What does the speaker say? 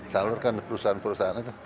salurkan perusahaan perusahaan itu